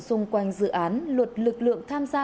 xung quanh dự án luật lực lượng tham gia